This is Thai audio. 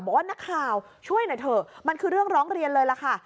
บอกว่านักข่าวช่วยหน่อยเถอะมันคือเรื่องร้องเรียนเลยล่ะค่ะ